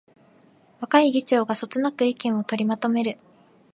若い議長がそつなく意見を取りまとめる